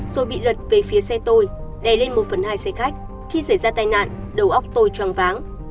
rồi bị lật về phía xe tôi đè lên một phần hai xe khách khi xảy ra tai nạn đầu óc tôi choáng váng